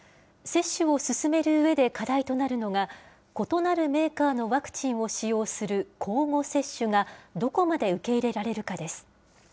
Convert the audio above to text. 接種を進めるうえで課題となるのが、異なるメーカーのワクチンを使用する交互接種が、どこまで受け入れられるかです。